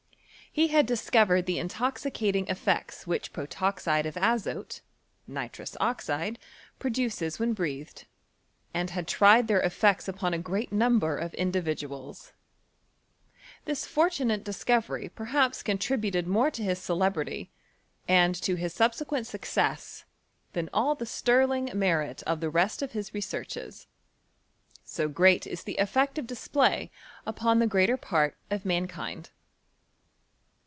He had discovered the intoxicating effect* which protoxide of azote (nitrous oxide) prodoces when breatlicd, and had tried their effects upon s great number of individuals. This fortunate disco« very perhaps contributed more to his celebrity, and to bis subsequent success, than all the sterling merit of the rest of liis researches — so great is die effect of display upon the greater part of mankind.